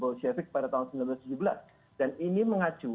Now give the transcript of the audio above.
pengumuman untuk kawasan rusia yang disambung kualitas diperoleh oleh telokane